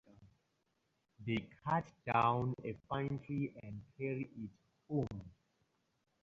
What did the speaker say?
They cut down a fine tree and carry it home.